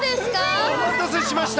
お待たせしました。